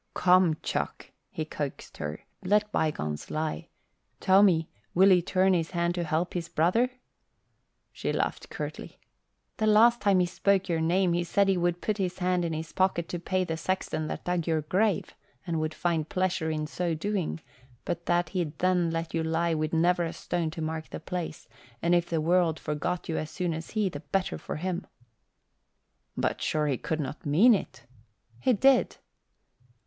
"Come, chuck," he coaxed her, "let bygones lie. Tell me, will he turn his hand to help his brother?" She laughed curtly. "The last time he spoke your name, he said he would put his hand in his pocket to pay the sexton that dug your grave and would find pleasure in so doing; but that he'd then let you lie with never a stone to mark the place, and if the world forgot you as soon as he, the better for him." "But sure he could not mean it?" "He did."